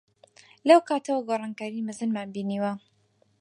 لەو کاتەوە گۆڕانکاریی مەزنمان بینیوە.